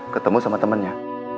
ketemu sama temennya